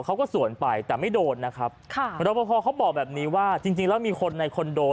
เขาก็สวนไปแต่ไม่โดนนะครับค่ะรบพอเขาบอกแบบนี้ว่าจริงจริงแล้วมีคนในคอนโด